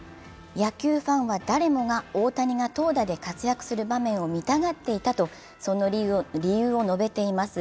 野球ファンは誰もが大谷が投打で活躍する場面を見たがっていたと、その理由を述べています。